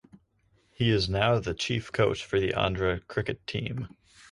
He is now the chief coach for the Andhra cricket team.